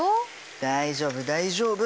大丈夫大丈夫。